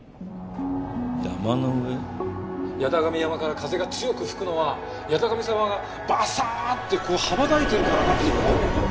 八咫神山から風が強く吹くのは八咫神様がバサッて羽ばたいてるからだって言われて。